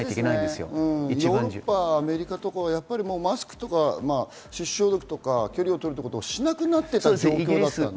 ヨーロッパ、アメリカなどはマスクとか手指消毒とか、距離を取ることをしなくなっていたということですもんね。